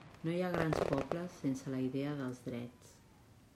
No hi ha grans pobles sense la idea dels drets.